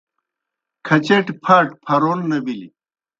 کھچَٹیْ پھاٹ پھرَون نہ بِلیْ۔